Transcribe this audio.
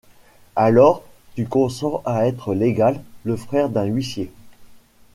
Alors, tu consens à être l’égal, le frère d’un huissier?